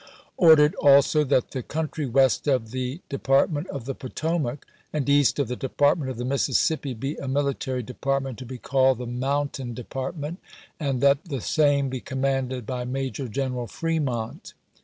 Ordered also, That the country west of the Department of the Potomac and east of the Department of the Mis sissippi be a military department, to be called the Moun tain Department, and that the same be commanded by Major General Fremont.